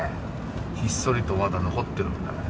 ひっそりとまだ残ってるんだね